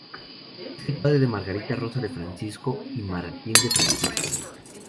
Es el padre de Margarita Rosa de Francisco y Martín de Francisco.